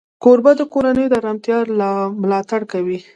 کوربه د کورنۍ د آرامتیا ملاتړ کوي.